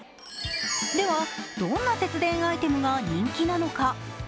ではどんな節電アイテムが人気なのか。